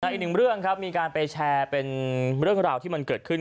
อีกหนึ่งเรื่องครับมีการไปแชร์เป็นเรื่องราวที่มันเกิดขึ้น